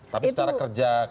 tapi secara kerja